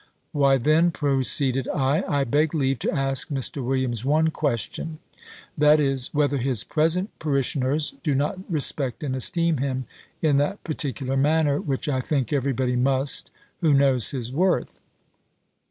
"Why then," proceeded I, "I beg leave to ask Mr. Williams one question; that is, whether his present parishioners do not respect and esteem him in that particular manner, which I think every body must, who knows his worth?"